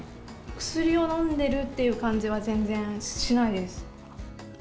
薬を飲んでるっていう感じは全然しないです。